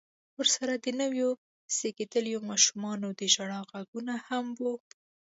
ورسره د نويو زيږېدليو ماشومانو د ژړا غږونه هم و.